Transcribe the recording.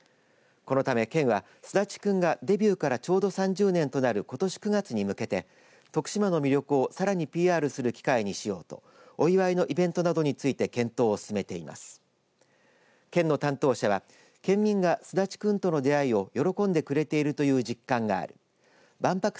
このため県は、すだちくんがデビューからちょうど３０年となることし９月に向けて徳島の魅力をさらにＰＲする機会にしようとお祝いのイベントなどについて検討を進めています。